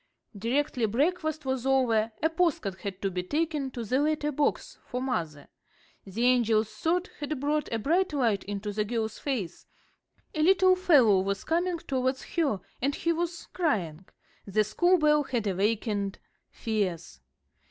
Directly breakfast was over a postcard had to be taken to the letter box for mother. The angel's thought had brought a bright light into the girl's face. A little fellow was coming towards her, and he was crying; the school bell had awakened fears.